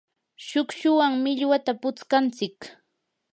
shukshuwan millwata putskantsik.